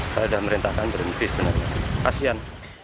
sudah merintahkan berhenti sebenarnya kasian